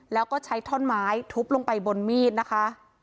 แล้วก็ใช้ท่อนไม้ทุบลงไปบนมีดนะคะ